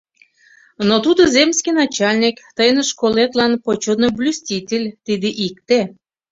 Но тудо земский начальник, тыйын школетлан почётный блюститель, — тиде икте.